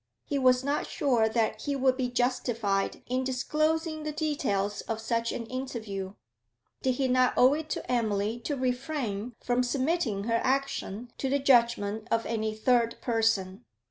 He was not sure that he would be justified in disclosing the details of such an interview; did he not owe it to Emily to refrain from submitting her action to the judgment of any third person?